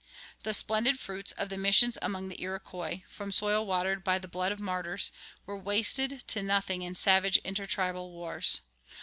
"[23:2] The splendid fruits of the missions among the Iroquois, from soil watered by the blood of martyrs, were wasted to nothing in savage intertribal wars.